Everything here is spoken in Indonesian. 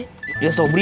ya sobri maksudnya